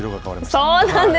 そうなんです。